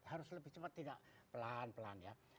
harus lebih cepat tidak pelan pelan ya